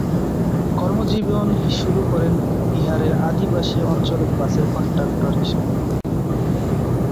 কর্মজীবন শুরু করেন বিহারের আদিবাসী অঞ্চলে বাসের কন্ডাক্টর হিসেবে।